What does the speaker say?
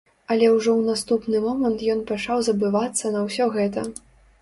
Але ўжо ў наступны момант ён пачаў забывацца на ўсё гэта.